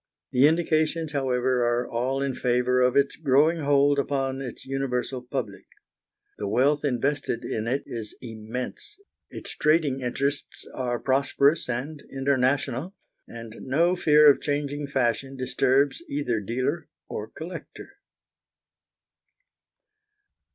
The indications, however, are all in favour of its growing hold upon its universal public. The wealth invested in it is immense, its trading interests are prosperous and international, and no fear of changing fashion disturbs either dealer or collector.